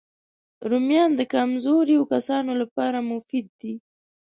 رومیان د کمزوریو کسانو لپاره مفید دي